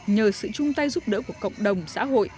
nhờ sự chung tay giúp đỡ của cộng đồng xã hội